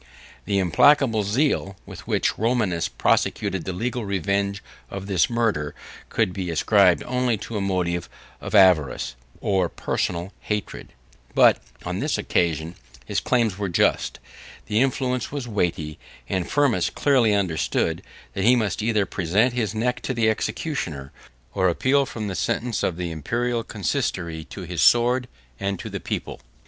The implacable zeal, with which Romanus prosecuted the legal revenge of this murder, could be ascribed only to a motive of avarice, or personal hatred; but, on this occasion, his claims were just; his influence was weighty; and Firmus clearly understood, that he must either present his neck to the executioner, or appeal from the sentence of the Imperial consistory, to his sword, and to the people.